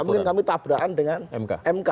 mungkin kami tabrakan dengan mk